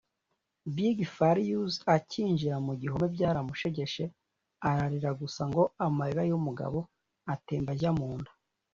Big Farious akinjira mu gihome byaramushegeshe ararira gusa ngo ‘amarira y’umugabo yatembye ajya mu nda’